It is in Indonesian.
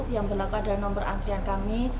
yang berlaku adalah nomor antrean kami